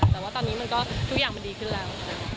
แต่ว่าตอนนี้มันก็ทุกอย่างมันดีขึ้นแล้ว